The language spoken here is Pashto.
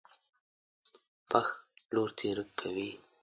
پښ لور تېره کوي.